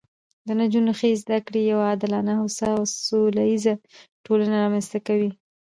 د نجونو ښې زده کړې یوه عادلانه، هوسا او سوله ییزه ټولنه رامنځته کوي